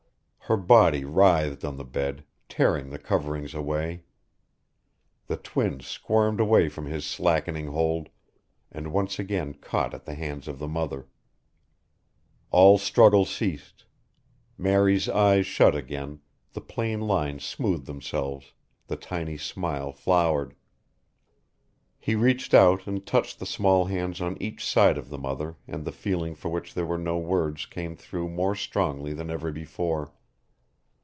Her body writhed on the bed, tearing the coverings away. The twin squirmed away from his slackening hold and once again caught at the hands of the mother. All struggle ceased. Mary's eyes shut again, the pain lines smoothed themselves, the tiny smile flowered. He reached out and touched the small hands on each side of the mother and the feeling for which there were no words came through more strongly than ever before.